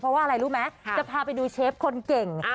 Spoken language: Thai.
เพราะว่าอะไรรู้ไหมจะพาไปดูเชฟคนเก่ง